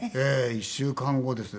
１週間後ですね。